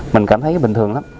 mình cảm thấy bình thường lắm